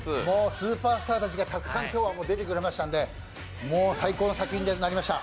スーパースターたちがたくさん今日は出てくれましたので最高の作品になりました。